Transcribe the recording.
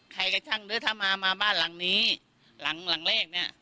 ใครก็ชั่งหรือถ้ามามาบ้านหลังนี้หลังเลขเนี่ย